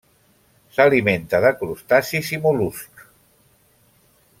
S'alimenta de crustacis i mol·luscs.